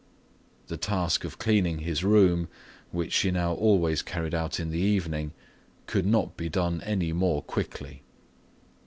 The task of cleaning his room, which she now always carried out in the evening, could not be done any more quickly.